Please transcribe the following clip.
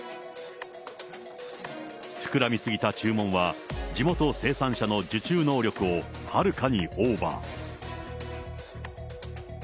膨らみすぎた注文は地元生産者の受注能力をはるかにオーバー。